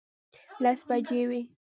لس بجې وې.